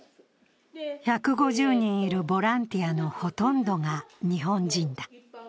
１５０人いるボランティアのほとんどが日本人だ。